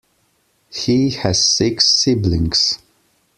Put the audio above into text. He has six siblings.